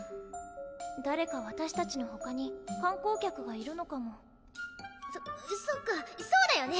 誰かわたしたちのほかに観光客がいるのかもそそっかそうだよね